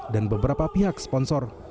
dan beberapa pihak sponsor